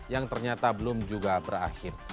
yang ternyata belum juga berakhir